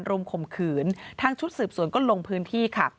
ข่มขืนทางชุดสืบสวนก็ลงพื้นที่ค่ะ